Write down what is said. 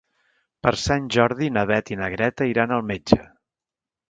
Per Sant Jordi na Beth i na Greta iran al metge.